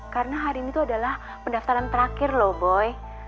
karena hari ini tuh adalah pendaftaran terakhir loh boy